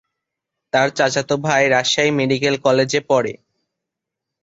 তার চাচাতো ভাই রাজশাহী মেডিকেল কলেজে পড়ে।